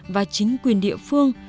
và chính quyền địa phương